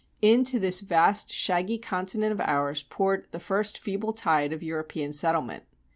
Into this vast shaggy continent of ours poured the first feeble tide of European settlement.